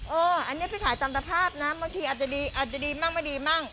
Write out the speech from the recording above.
อันนี้ไปขายตามสภาพนะบางทีอาจจะดีอาจจะดีมั่งไม่ดีมั่ง